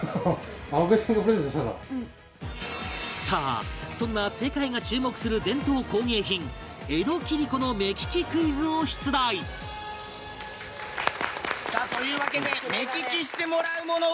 さあそんな世界が注目する伝統工芸品江戸切子の目利きクイズを出題さあというわけで。